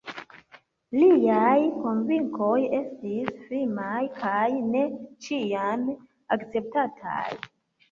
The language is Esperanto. Liaj konvinkoj estis firmaj kaj ne ĉiam akceptataj.